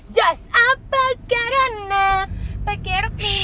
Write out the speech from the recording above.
just apakah karena pake rukmini